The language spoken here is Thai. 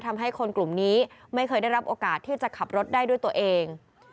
ทำให้คนกลุ่มนี้ไม่เคยได้รับโอกาสที่จะขับรถได้ด้วยตัวเอง